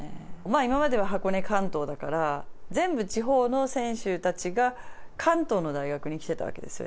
今までは、箱根、関東だから、全部地方の選手たちが関東の大学に来てたわけですよ。